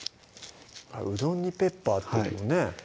うどんにペッパーってのもね